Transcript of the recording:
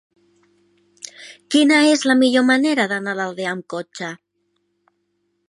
Quina és la millor manera d'anar a l'Aldea amb cotxe?